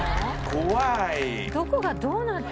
怖い！